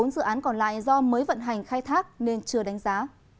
bốn dự án còn lại do mới vận hành khai thác nên chưa đánh giá